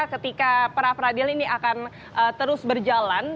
ketika pra peradilan ini akan diadakan